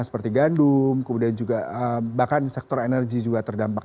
seperti gandum kemudian juga bahkan sektor energi juga terdampak